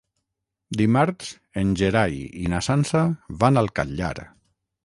Dimarts en Gerai i na Sança van al Catllar.